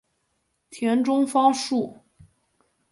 田中芳树。